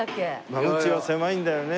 間口は狭いんだよね。